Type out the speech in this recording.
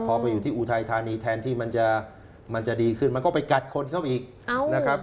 พอไปอยู่ที่อุทัยธานีแทนที่มันจะดีขึ้นมันก็ไปกัดคนเขาอีกนะครับ